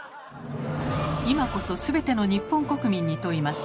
今こそすべての日本国民に問います。